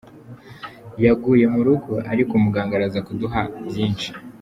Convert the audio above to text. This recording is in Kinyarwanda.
Yaguye mu rugo ariko muganga araza kuduha byinshi.”